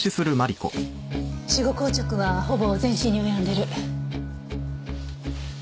死後硬直はほぼ全身に及んでる。